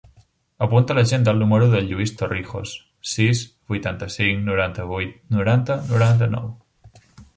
Apunta a l'agenda el número del Lluís Torrijos: sis, vuitanta-cinc, noranta-vuit, noranta, noranta-nou.